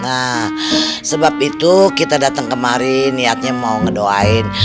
nah sebab itu kita datang kemarin niatnya mau ngedoain